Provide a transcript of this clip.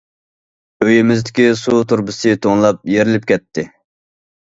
ئۆيىمىزدىكى سۇ تۇرۇبىسى توڭلاپ يېرىلىپ كەتتى.